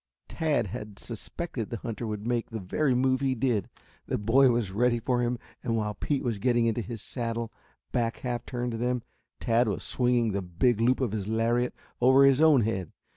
Tad had suspected the hunter would make the very move he did. The boy was ready for him and while Pete was getting into his saddle, back half turned to them, Tad was swinging the big loop of his lariat over his own head.